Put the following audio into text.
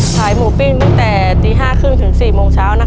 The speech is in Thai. ขายหมูปิ้งตั้งแต่ตี๕๓๐ถึง๔โมงเช้า